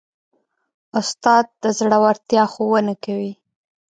استاد د زړورتیا ښوونه کوي.